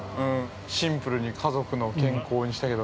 ◆シンプルに家族の健康にしたけど。